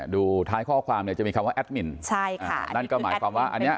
ดูท้ายข้อความเนี่ยจะมีคำว่าแอดมินใช่ค่ะนั่นก็หมายความว่าอันเนี้ย